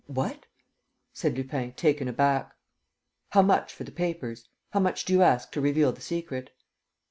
"What?" said Lupin, taken aback. "How much for the papers? How much do you ask to reveal the secret?"